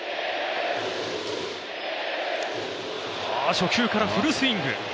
初球からフルスイング。